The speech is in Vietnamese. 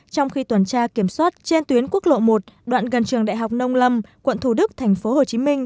trong khi tuần tra kiểm soát trên tuyến quốc lộ một đoạn gần trường đại học nông lâm quận thủ đức tp hcm